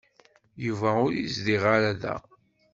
Yuba ur izdiɣ ara da.